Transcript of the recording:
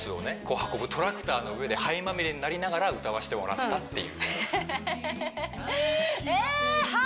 運ぶトラクターの上で灰まみれになりながら歌わせてもらったっていうえー！